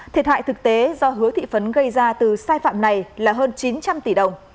thiệt hại thực tế do hứa thị phấn gây ra từ sai phạm này là hơn chín trăm linh tỷ đồng